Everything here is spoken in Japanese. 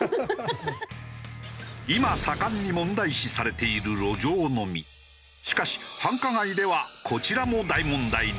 今盛んに問題視されているしかし繁華街ではこちらも大問題に。